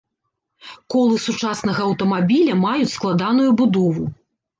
Колы сучаснага аўтамабіля маюць складаную будову.